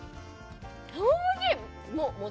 おいしい。